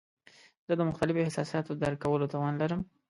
زه د مختلفو احساساتو درک کولو توان لرم.